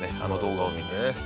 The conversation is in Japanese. あの動画を見て。